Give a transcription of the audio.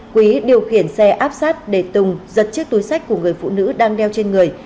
quý điều khiển xe áp sát để tùng giật chiếc túi sách của người phụ nữ đang đeo trên người